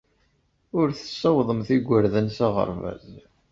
Ur tessawaḍemt igerdan s aɣerbaz.